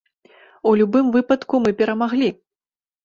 У любым выпадку мы перамаглі!